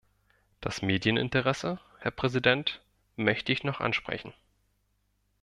Das Medieninteresse, Herr Präsident, möchte ich noch ansprechen.